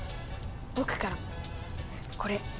僕からもこれ。